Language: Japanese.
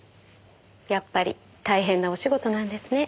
やっぱり大変なお仕事なんですね。